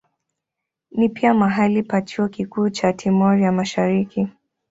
Ni pia mahali pa chuo kikuu cha Timor ya Mashariki.